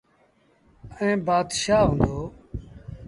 ائيٚݩ بآتشآه هُݩدو۔